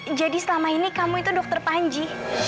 jadi jadi selama ini kamu itu dokter panji